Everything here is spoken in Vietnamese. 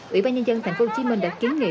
ủy ban nhân dân tp hcm đã kiến nghị